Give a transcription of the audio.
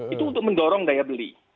itu untuk mendorong daya beli